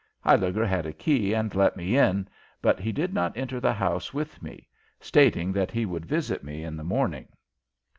Huyliger had a key and let me in, but he did not enter the house with me, stating that he would visit me in the morning.